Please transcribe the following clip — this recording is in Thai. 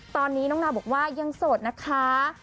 ตอนนี้น้องนาวบอกว่ายังโสดนะคะ